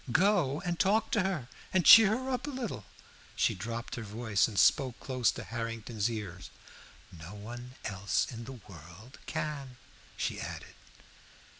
Go and talk to her, and cheer her up a little." She dropped her voice, and spoke close to Harrington's ear "No one else in the world can," she added.